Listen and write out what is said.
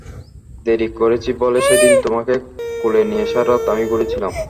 দেরি করেছি বলে সেদিন তোমাকে কোলে নিয়ে সারা রাত আমি ঘুরেছিলাম।